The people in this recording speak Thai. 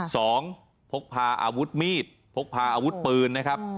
พกพาอาวุธมีดพกพาอาวุธปืนนะครับ